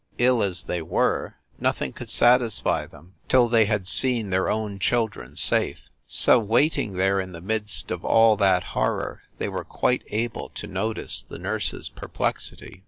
Ill as they were, nothing could satisfy them till they had seen their own chil 328 FIND THE WOMAN dren safe. So, waiting there in the midst of all that horror, they were quite able to notice the nurse s perplexity.